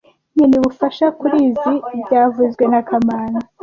Nkeneye ubufasha kurizoi byavuzwe na kamanzi